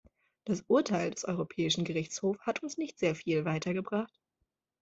Das Urteil des Europäischen Gerichtshofs hat uns nicht sehr viel weitergebracht.